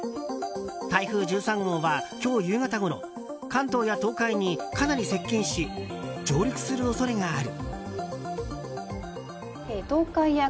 台風１３号は今日夕方ごろ関東や東海にかなり接近し上陸する恐れがある。